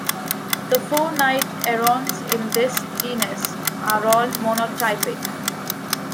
The four night herons in this genus are all monotypic.